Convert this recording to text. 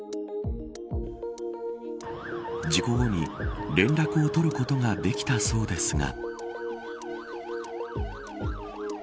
事故後に連絡を取ることができたそうですが。